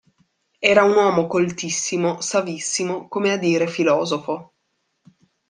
Era uomo coltissimo, savissimo, come a dire filosofo.